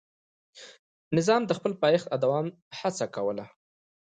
نظام د خپل پایښت او دوام هڅه کوله.